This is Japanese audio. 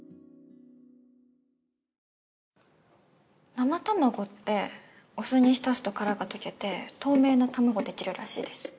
生卵ってお酢に浸すと殻が溶けて透明な卵できるらしいです。